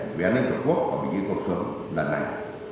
vệ an ninh tổ quốc và vị trí cộng sướng lần này